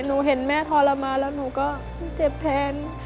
หนูเห็นแม่ทรมานแล้วหนูก็เจ็บแทน